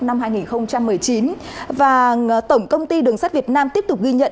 năm hai nghìn một mươi chín và tổng công ty đường sắt việt nam tiếp tục ghi nhận